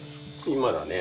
今だね。